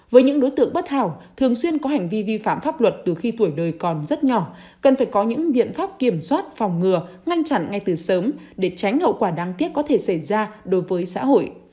với những đối tượng bất hảo thường xuyên có hành vi vi phạm pháp luật từ khi tuổi đời còn rất nhỏ cần phải có những biện pháp kiểm soát phòng ngừa ngăn chặn ngay từ sớm để tránh hậu quả đáng tiếc có thể xảy ra đối với xã hội